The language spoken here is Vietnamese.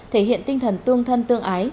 thể hiện tinh thần tương thân tương ái